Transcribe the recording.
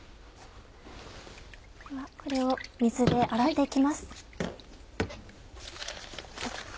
ではこれを水で洗って行きます。